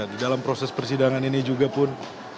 di dalam proses persidangan ini juga pun